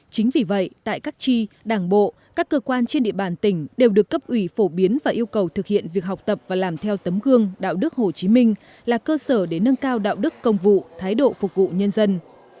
chính vì vậy tại các tri đảng bộ các cơ quan trên địa bàn tỉnh đều được cấp ủy phổ biến và yêu cầu thực hiện việc học tập và làm theo tấm gương đạo đức hồ chí minh là cơ sở để nâng cao đạo đức công vụ thái độ phục vụ nhân dân